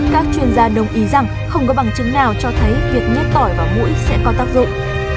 các chuyên gia đồng ý rằng không có bằng chứng nào cho thấy việc nhếp tỏi và mũi sẽ có tác dụng